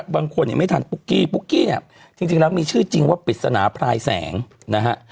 บางคนยังไม่ทันปุ๊กกี้ปุ๊กกี้เนี่ยจริงแล้วมีชื่อจริงว่าปริศนาพลายแสงนะฮะ